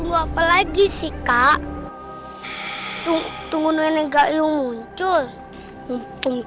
kita bangun aja yuk